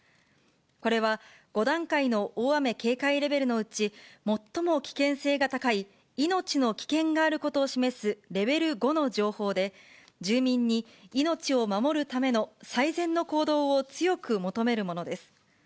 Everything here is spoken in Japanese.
これは５段階の大雨警戒レベルのうち最も危険性が高い命の危険があることを示すレベル５の情報で、住民に命を守るための最善の行動を強く求めるものです。